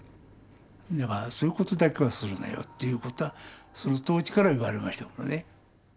「だからそういうことだけはするなよ」っていうことはその当時から言われましたものね。